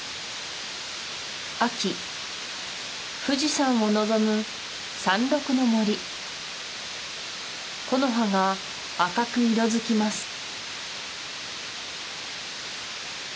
富士山を望む山麓の森木の葉が赤く色づきます